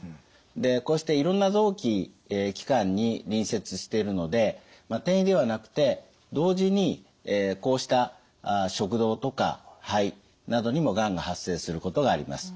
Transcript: でこうしていろんな臓器器官に隣接しているので転移ではなくて同時にこうした食道とか肺などにもがんが発生することがあります。